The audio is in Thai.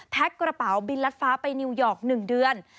กระเป๋าบินรัดฟ้าไปนิวยอร์ก๑เดือน